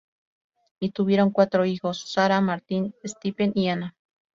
Y tuvieron cuatro hijos: Sarah, Martin, Stephen y Ana.